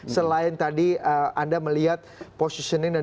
selain tadi anda melihat positioning